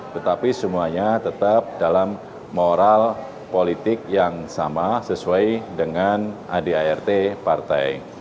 tetapi semuanya tetap dalam moral politik yang sama sesuai dengan adart partai